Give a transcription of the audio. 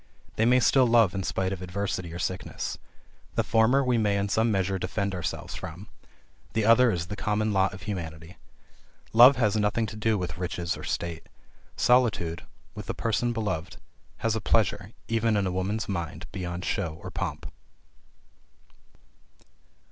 These may still love in spite of adversity or sickness. The former we may in some measure defend ourselves from; the other is the common lot of humanity. Love has nothing to do with riches or state. Solitude, with the person beloved, has a pleasure, even in a woman's mind, beyond show or pomp.